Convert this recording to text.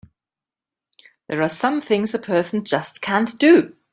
There are some things a person just can't do!